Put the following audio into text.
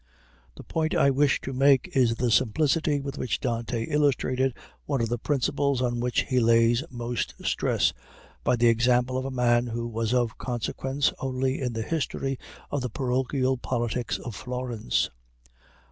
The point I wish to make is the simplicity with which Dante illustrated one of the principles on which he lays most stress, by the example of a man who was of consequence only in the history of the parochial politics of Florence.